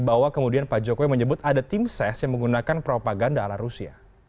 bahwa kemudian pak jokowi menyebut ada tim ses yang menggunakan propaganda ala rusia